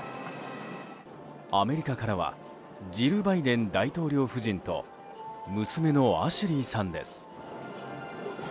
アメリカからはジル・バイデン大統領夫人と娘のアシュリーさんです。